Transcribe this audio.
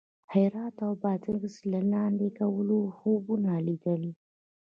هرات او بادغیس د لاندې کولو خوبونه لیدل.